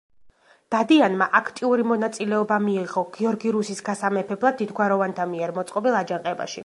დადიანმა აქტიური მონაწილეობა მიიღო გიორგი რუსის გასამეფებლად დიდგვაროვანთა მიერ მოწყობილ აჯანყებაში.